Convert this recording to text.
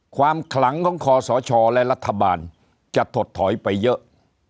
ความขลังของคอสชและรัฐบาลจะถดถอยไปเยอะ